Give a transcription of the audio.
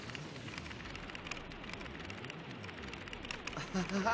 アハハハハ！